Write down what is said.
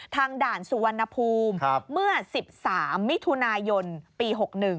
ด่านสุวรรณภูมิเมื่อ๑๓มิถุนายนปี๖๑